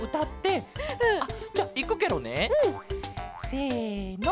せの！